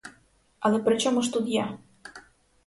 Але при чому ж тут я?